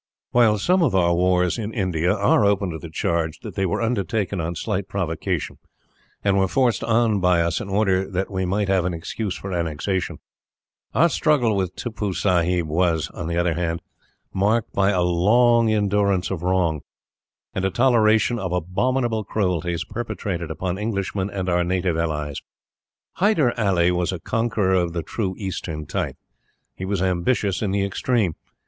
While some of our wars in India are open to the charge that they were undertaken on slight provocation, and were forced on by us in order that we might have an excuse for annexation, our struggle with Tippoo Saib was, on the other hand, marked by a long endurance of wrong, and a toleration of abominable cruelties perpetrated upon Englishmen and our native allies. Hyder Ali was a conqueror of the true Eastern type. He was ambitious in the extreme.